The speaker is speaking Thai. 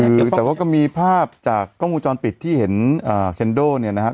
คือแต่ว่าก็มีภาพจากกล้องวงจรปิดที่เห็นเคนโดเนี่ยนะครับ